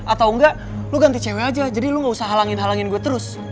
atau enggak lo ganti cewek aja jadi lo gak usah halangin halangin gue terus